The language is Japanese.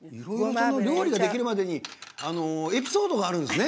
料理ができるまでにエピソードがあるんですね。